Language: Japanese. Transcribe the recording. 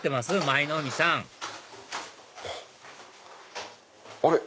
舞の海さんあれ？